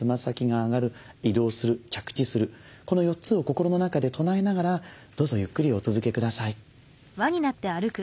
この４つを心の中で唱えながらどうぞゆっくりお続けください。